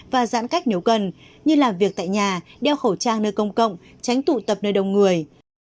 và giãn cách nếu cần như làm việc tại nhà đeo khẩu trang nơi công cộng tránh tụ tập nơi đông người